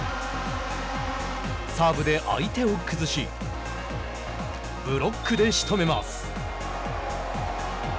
サーブで相手を崩しブロックでしとめます。